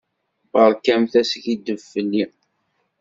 Beṛkamt askiddeb fell-i.